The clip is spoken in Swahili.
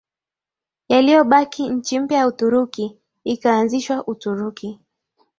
yaliyobaki nchi mpya ya Uturuki ikaanzishwa Uturuki